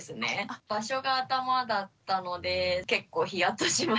場所が頭だったので結構ヒヤッとしました。